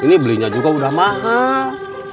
ini belinya juga udah mahal